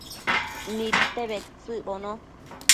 Nidte bedtsëcbono